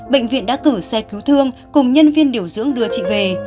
bệnh viện đã cử xe cứu thương cùng nhân viên điều dưỡng đưa chị về